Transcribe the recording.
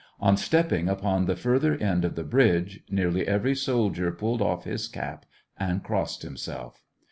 On stepping upon the fur ther end of the bridge, nearly every soldier pulled off his cap and crossed himself.